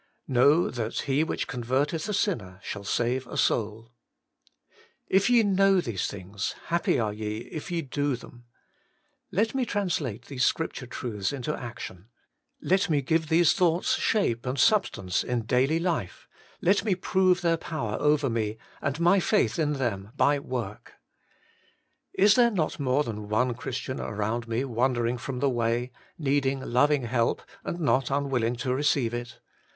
' Know that he which converteth a sinner shall save a soul' If ye kriozv these things, happy are ye if you do them.' Let me translate these Scripture truths into action ; let me give these thoughts shape and sub stance in daily Hfe; let me prove their power over me, and my faith in them, by work. Is there not more than one Christ ian around me wandering from the way, needing loving help and not unwilling to receive it?